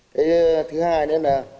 thế thứ hai là